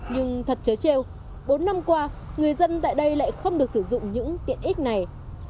nhưng thật chớ treo bốn năm qua người dân tại đây lại không được sử dụng những tiện ích này